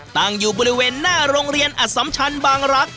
ตั้งอยู่บริเวณหน้าโรงเรียนอสัมชันบางรักษ